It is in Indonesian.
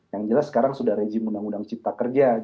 yang jelas sekarang sudah rezim uu cipta kerja